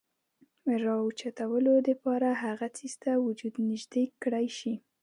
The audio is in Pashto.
راوچتولو د پاره هغه څيز ته وجود نزدې کړے شي ،